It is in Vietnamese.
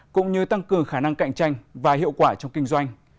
cũng như tăng cường khả năng cạnh tranh và hiệu quả trong kinh doanh